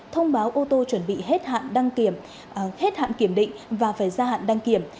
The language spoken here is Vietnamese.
thông báo ô tô chuẩn bị hết hạn kiểm định và phải ra hạn đăng kiểm